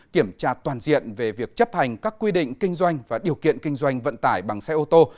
kiểm tra toàn diện về việc chấp hành các quy định kinh doanh và điều kiện kinh doanh vận tải bằng xe ô tô